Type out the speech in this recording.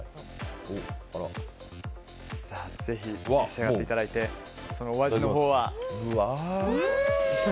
ぜひ召し上がっていただいてそのお味のほうは？